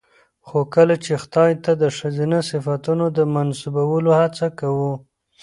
خو کله چې خداى ته د ښځينه صفتونو د منسوبولو هڅه کوو